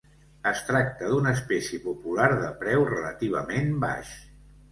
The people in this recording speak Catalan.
Es tracta d'una espècie popular de preu relativament baix.